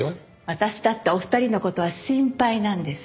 私だってお二人の事は心配なんです。